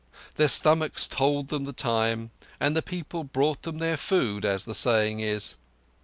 Their stomachs told them the time, and the people brought them their food, as the saying is.